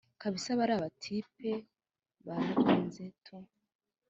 “Kabisa bariya batypes bararenze tu